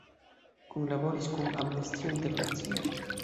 Kunlaboris kun Amnestio Internacia.